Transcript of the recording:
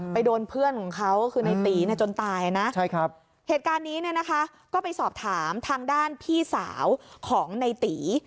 โดนเพื่อนของเขาก็คือในตีจนตายนะเหตุการณ์นี้เนี่ยนะคะก็ไปสอบถามทางด้านพี่สาวของในตี